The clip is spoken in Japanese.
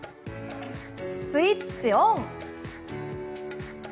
スイッチオン！